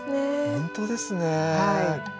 ほんとですね。